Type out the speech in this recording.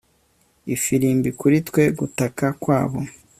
ifirimbi kuri twe gutaka kwabo